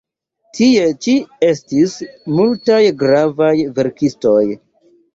Tie ĉi estis multaj gravaj verkistoj.